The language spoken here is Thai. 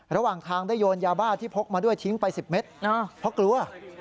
ระหว่างทางได้โยนยาบ้าที่พกมาด้วยทิ้งไป๑๐เมตรเพราะกลัว